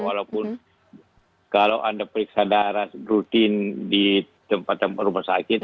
walaupun kalau anda periksa darah rutin di tempat tempat rumah sakit